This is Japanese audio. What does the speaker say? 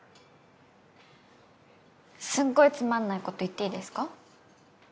すんごいつまんないこと言っていいですか？